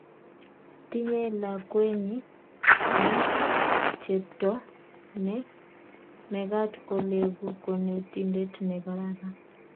tinyei lakwenyin ne chepto ne mekat ko leku konetindet ne kararan